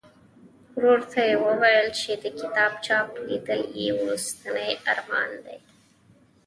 ورور ته یې ویل چې د کتاب چاپ لیدل یې وروستنی ارمان دی.